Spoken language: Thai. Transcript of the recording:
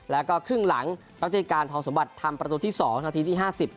แล้วก็ครึ่งหลังรัฐธิการทองสมบัติทำประตูที่๒นาทีที่๕๐